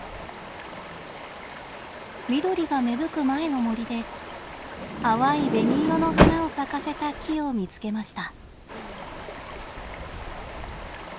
緑が芽吹く前の森で淡い紅色の花を咲かせた木を見つけました。